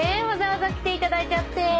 わざわざ来ていただいちゃって。